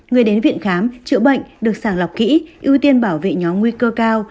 người đến viện khám chữa bệnh được sàng lọc kỹ ưu tiên bảo vệ nhóm nguy cơ cao